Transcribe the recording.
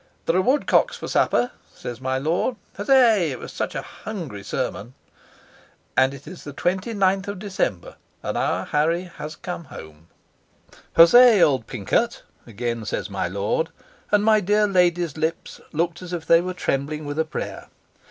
"There are woodcocks for supper," says my lord. "Huzzay! It was such a hungry sermon." "And it is the 29th of December; and our Harry has come home." "Huzzay, old Pincot!" again says my lord; and my dear lady's lips looked as if they were trembling with a prayer.